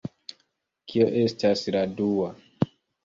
Kio estas la dua?